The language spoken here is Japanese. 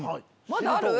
まだある？